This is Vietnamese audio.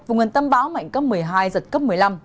vùng gần tâm bão mạnh cấp một mươi hai giật cấp một mươi năm